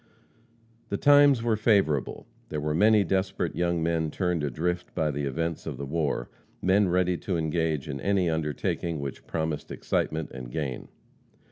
The times were favorable. There were many desperate young men turned adrift by the events of the war; men ready to engage in any undertaking which promised excitement and gain.